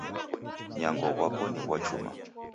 Nyango ghwapo ni ghwa chuma